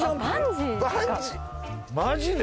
マジで！？